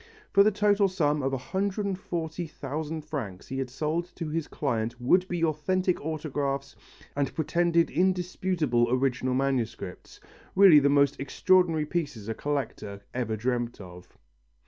For the total sum of 140,000 francs he had sold to his client would be authentic autographs and pretended indisputable original manuscripts really the most extraordinary pieces a collector ever dreamt of!